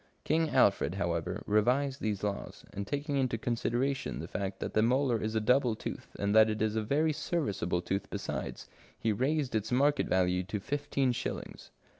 King Alfred, however, revised these laws, and taking into con sideration the fact that the molar is a double tooth, and that it is a very serviceable tooth besides, he raised its market value to fifteen shillings.